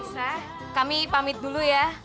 ya aisyah kami pamit dulu ya